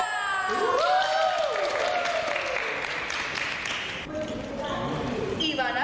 อิวัตเจลอลมิสเกรนด์วาเทมปารัน